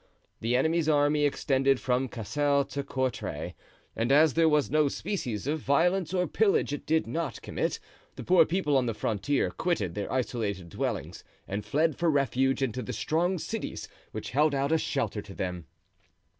The enemy's army extended from Cassel to Courtray; and as there was no species of violence or pillage it did not commit, the poor people on the frontier quitted their isolated dwellings and fled for refuge into the strong cities which held out a shelter to them.